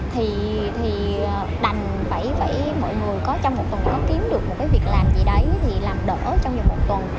thì đành phải phải mỗi người có trong một tuần nó kiếm được cái việc làm gì đấy thì làm đỡ trong vòng một tuần